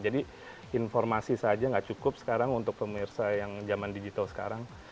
jadi informasi saja nggak cukup sekarang untuk pemirsa yang zaman digital sekarang